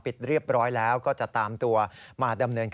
ตอนนี้เท่ากันก็มีภาพหลักฐานจากกล้องวงจักร